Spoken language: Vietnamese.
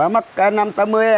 mất từ năm tám mươi